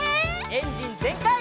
エンジンぜんかい！